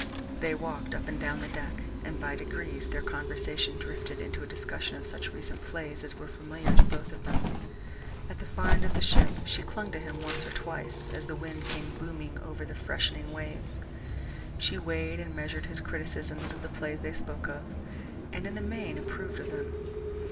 They walked up and down the deck, and by degrees their conversation drifted into a discussion of such recent plays as were familiar to both of them. At the far end of the ship she clung to him once or twice as the wind came booming over the freshening waves. She weighed and measured his criticisms of the plays they spoke of, and in the main approved of them.